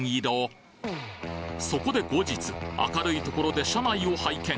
そこで後日明るいところで車内を拝見。